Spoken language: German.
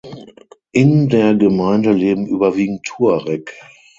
In der Gemeinde leben überwiegend Tuareg.